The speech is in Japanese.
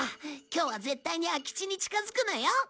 今日は絶対に空き地に近づくなよ。